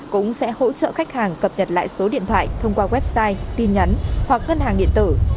cũng sẽ hỗ trợ khách hàng cập nhật lại số điện thoại thông qua website tin nhắn hoặc ngân hàng điện tử